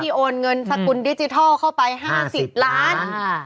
โอนเงินสกุลดิจิทัลเข้าไป๕๐ล้าน